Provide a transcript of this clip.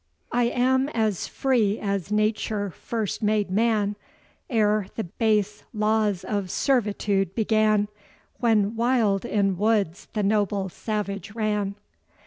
I am as free as nature first made man, Ere the base laws of servitude began, When wild in woods the noble savage ran.